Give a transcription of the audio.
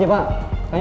terima kasih bang ardan